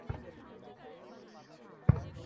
না, স্যার, আপনার সাইন লাগবে না!